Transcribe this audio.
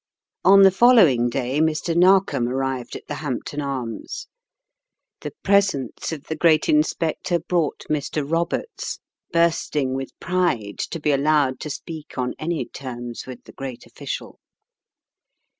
On the following day Mr. Narkom arrived at the Hampton Arms. The presence of the great inspector brought Mr. Roberts, bursting with pride to be al lowed to speak on any terms with the great official.